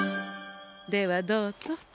ではどうぞ。